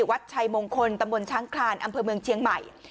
วัดชัยมงคลตำบลช้างคลานอำเภอเมืองเชียงใหม่